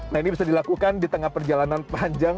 nah ini bisa dilakukan di tengah perjalanan panjang